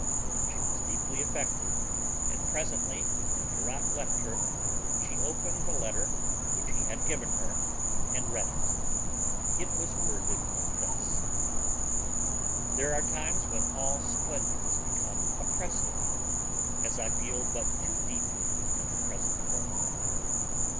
She was deeply affected, and presently, when Duroc left her, she opened the letter which he had given her and read it. It was worded thus: There are times when all splendors become oppressive, as I feel but too deeply at the present moment.